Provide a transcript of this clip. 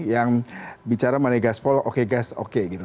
yang bicara manegaspol oke gas oke gitu